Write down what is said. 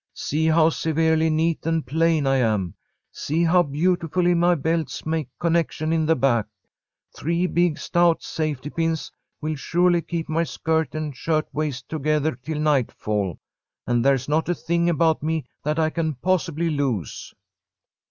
See how severely neat and plain I am. See how beautifully my belts make connection in the back. Three big, stout safety pins will surely keep my skirt and shirt waist together till nightfall, and there's not a thing about me that I can possibly lose."